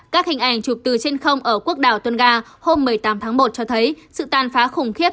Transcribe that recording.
các hình ảnh chụp từ trên không ở quốc đảo tunga hôm một mươi tám tháng một cho thấy sự tàn phá khủng khiếp